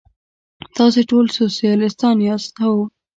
تاسې ټول سوسیالیستان یاست؟ هو.